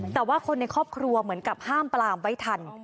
แต่ว่าคนในครอบครัวเหมือนกับห้ามปลามไว้ทัน